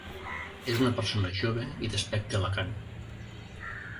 És una persona jove i d'aspecte elegant.